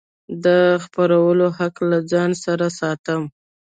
د خپرولو حق له ځان سره ساتم.